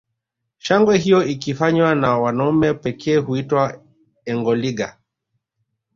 Shangwe hiyo ikifanywa na wanaume pekee huitwa engoliga